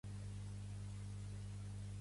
Pertany al moviment independentista el Marcos?